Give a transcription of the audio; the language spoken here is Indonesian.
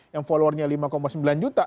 yang followernya lima sembilan juta